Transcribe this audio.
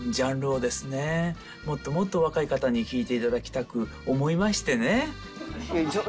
もっともっと若い方に聴いていただきたく思いましてね。